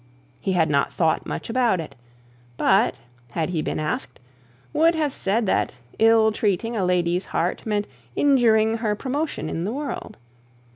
He had not thought much about it; but, had he been asked, would have said, that ill treating a lady's heart meant injuring her promotion in the world.